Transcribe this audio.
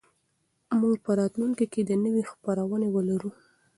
موږ به په راتلونکي کې نوې خپرونې ولرو.